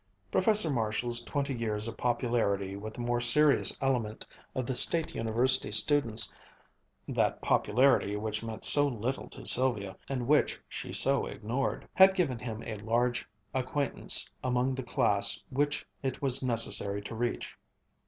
Professor Marshall's twenty years of popularity with the more serious element of the State University students (that popularity which meant so little to Sylvia, and which she so ignored) had given him a large acquaintance among the class which it was necessary to reach.